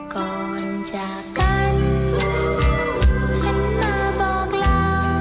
ก่อนจากกันฉันมาบอกลา